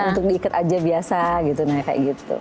untuk diikat aja biasa gitu nah kayak gitu